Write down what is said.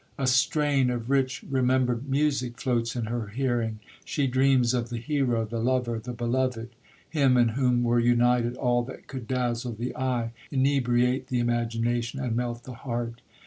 A strain of rich remembered music floats in her hearing—she dreams of the hero, the lover, the beloved,—him in whom were united all that could dazzle the eye, inebriate the imagination, and melt the heart.